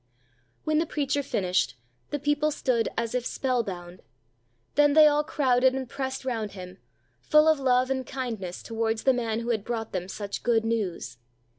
'" When the preacher finished, the people stood as if spell bound, then they all crowded and pressed round him, full of love and kindness towards the man who had brought them such good news.